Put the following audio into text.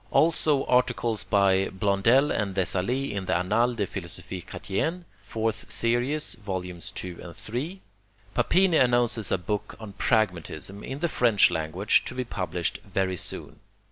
Also articles by Blondel and de Sailly in the Annales de Philosophie Chretienne, 4me Serie, vols. 2 and 3. Papini announces a book on Pragmatism, in the French language, to be published very soon.